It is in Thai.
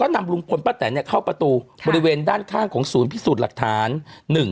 นำลุงพลป้าแตนเข้าประตูบริเวณด้านข้างของศูนย์พิสูจน์หลักฐาน